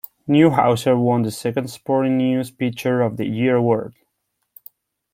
Newhouser won the second Sporting News Pitcher of the Year Award.